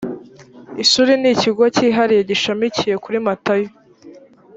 ishuri n ikigo cyihariye gishamikiye kuri matayo